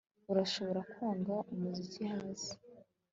Urashobora kwanga umuziki hasi